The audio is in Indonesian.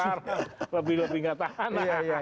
nah golkar lebih lebih gak tahan